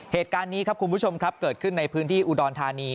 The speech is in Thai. เหตุการณ์นี้ครับคุณผู้ชมครับเกิดขึ้นในพื้นที่อุดรธานี